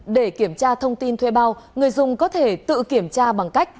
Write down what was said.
để kiểm tra thông tin thuê bao người dùng có thể tự kiểm tra bằng cách